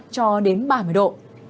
cho đến ba mươi độ